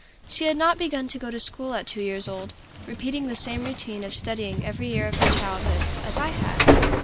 She had not begun to go to school at two years old, repeating the same routine of study every year of her childhood, as I had.